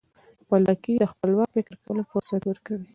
خپلواکي د خپلواک فکر کولو فرصت ورکوي.